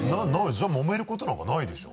じゃあもめることなんかないでしょ。